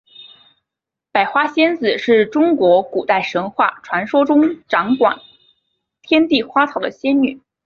百花仙子是中国古代神话传说中掌管天地花草的仙女。